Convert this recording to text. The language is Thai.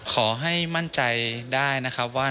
ขอให้มั่นใจได้นะครับว่า